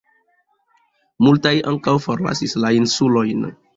Multaj ankaŭ forlasis la insulojn.